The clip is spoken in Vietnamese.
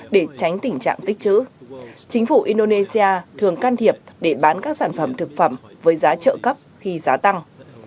để tránh tình trạng tích trữ chính phủ indonesia thường can thiệp để bán các sản phẩm thực phẩm với giá trợ cấp khi giá tăng